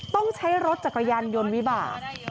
ต้องใช้รถจักรยานยนต์วิบาก